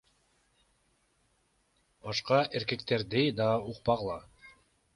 Башка эркектерди да укпагыла.